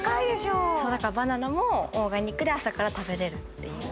だからバナナもオーガニックで朝から食べれるっていう。